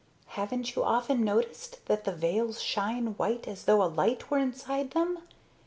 Haven't you often noticed that the veils shine white as though a light were inside them?